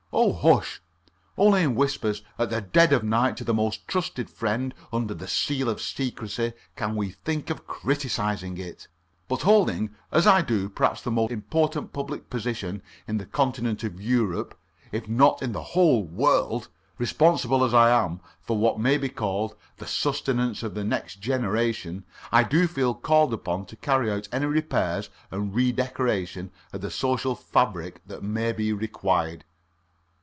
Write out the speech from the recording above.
Oh, hush! Only in whispers at the dead of night to the most trusted friend under the seal of secrecy can we think of criticizing it. But holding, as I do, perhaps the most important public position in the Continent of Europe, if not in the whole world responsible, as I am, for what may be called the sustenance of the next generation I do feel called upon to carry out any repairs and re decoration of the social fabric that may be required.